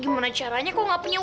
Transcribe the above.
gimana caranya kok gak punya uang